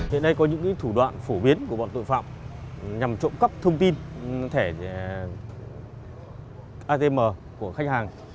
hiện nay có những thủ đoạn phổ biến của bọn tội phạm nhằm trộm cắp thông tin thẻ atm của khách hàng